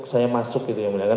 saya masuk gitu yang mulia